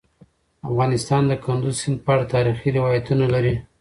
افغانستان د کندز سیند په اړه تاریخي روایتونه لري.